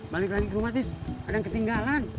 balik lagi ke rumah tis ada yang ketinggalan